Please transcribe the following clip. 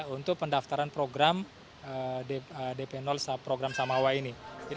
untuk pendaftaran program dp program samawa ini